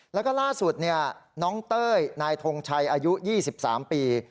แล้วก็ล่าสุดน้องเต้ยนายทงชัยอายุ๒๓ปี